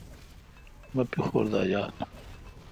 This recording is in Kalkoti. مہ پیخور دا یال۔